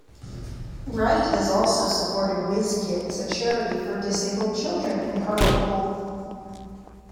Wright has also supported Whizz-Kidz, a charity for disabled children in Hartlepool.